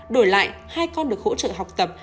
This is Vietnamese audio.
đổi lại hai con được hỗ trợ học tập